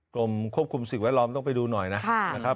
กรมควบคุมสิ่งแวดล้อมต้องไปดูหน่อยนะครับ